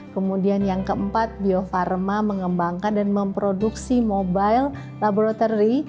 kemudian yang keempat bio farma mengembangkan dan memproduksi mobile laboratory